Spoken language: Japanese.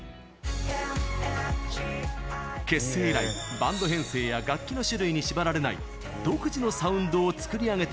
結成以来バンド編成や楽器の種類に縛られない独自のサウンドを作り上げてきた彼ら。